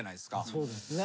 そうですね。